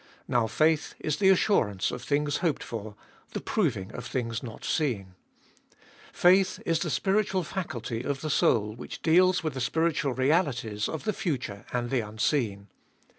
Now faith is the assurance of things hoped for, the proving of things not seen. Faith is the spiritual faculty of the soul which deals with the spiritual 422 ttbe fjolfest of BU realities of the future and the unseen.